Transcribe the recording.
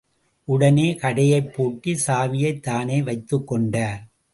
உடனே கடையைப் பூட்டிச் சாவியைத் தானே வைத்துக்கொண்டார்.